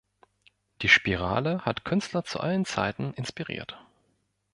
Die Spirale hat Künstler zu allen Zeiten inspiriert.